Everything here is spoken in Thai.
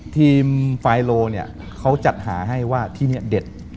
ไฟโลเนี่ยเขาจัดหาให้ว่าที่นี่เด็ด